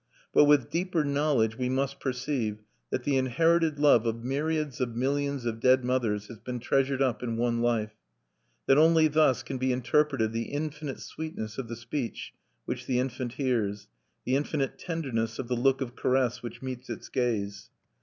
But with deeper knowledge we must perceive that the inherited love of myriads of millions of dead mothers has been treasured up in one life; that only thus can be interpreted the infinite sweetness of the speech which the infant hears, the infinite tenderness of the look of caress which meets its gaze.